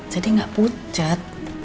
jadi gak pucat